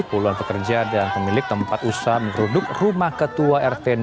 puluhan pekerja dan pemilik tempat usaha menggeruduk rumah ketua rt dua